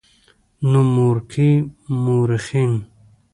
نومورکي مؤرخين